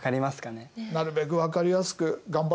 なるべく分かりやすく頑張って説明します。